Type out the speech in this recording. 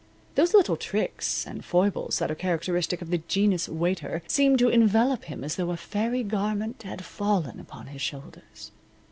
Those little tricks and foibles that are characteristic of the genus waiter seemed to envelop him as though a fairy garment had fallen upon his shoulders.